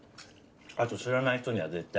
あと知らない人には絶対。